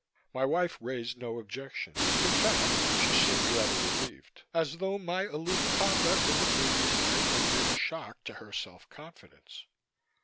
My wife raised no objection. In fact, she seemed rather relieved as though my aloof conduct of the previous night had been a shock to her self confidence.